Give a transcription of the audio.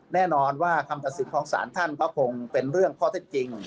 แน่นอนว่าคำตัดสินของสารท่านก็คงเป็นเรื่องข้อเท็จจริง